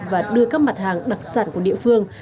và đưa các mặt hàng đặc sản của địa phương